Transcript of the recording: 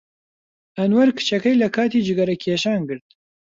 ئەنوەر کچەکەی لە کاتی جگەرەکێشان گرت.